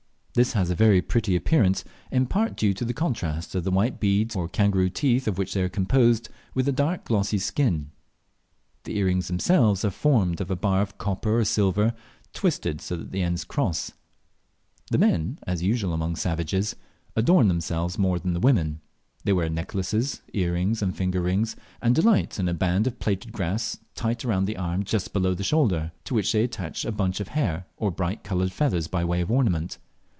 This has a very pretty appearance, in part due to the contrast of the white beads or kangaroo teeth of which they are composed with the dark glossy skin. The earrings themselves are formed of a bar of copper or silver, twisted so that the ends cross. The men, as usual among savages, adorn themselves more than the women. They wear necklaces, earrings, and finger rings, and delight in a band of plaited grass tight round the arm just below the shoulder, to which they attach a bunch of hair or bright coloured feathers by way of ornament.